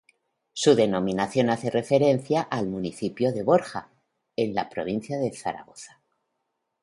Su denominación hace referencia al municipio de Borja, en la provincia de Zaragoza.